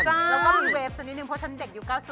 แล้วก็มีเวฟสักนิดนึงเพราะฉันเด็กยุค๙๐